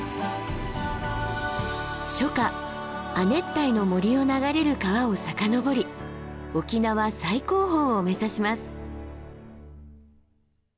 初夏亜熱帯の森を流れる川を遡り沖縄最高峰を目指します。